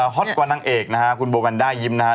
ฮอตกว่านางเอกนะฮะคุณโบวันด้ายิ้มนะฮะ